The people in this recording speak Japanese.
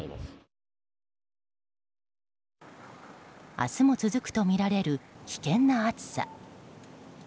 明日も続くとみられる危険な暑さ。